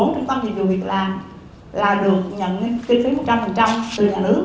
một mươi bốn trung tâm dịch vụ việc làm là được nhận kinh phí một trăm linh từ nhà nước